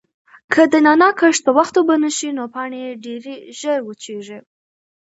که د نعناع کښت په وخت اوبه نشي نو پاڼې یې ډېرې ژر وچیږي.